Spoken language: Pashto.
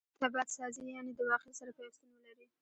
طبعت سازي؛ یعني د واقعیت سره پیوستون ولري.